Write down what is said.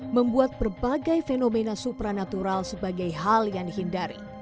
membuat berbagai fenomena supranatural sebagai hal yang dihindari